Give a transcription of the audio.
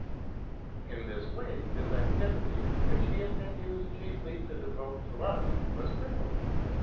In this way his activity, which he had been used chiefly to devote to us, was crippled.